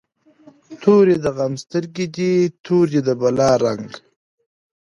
توری د غم سترګی دي، تور دی د بلا رنګ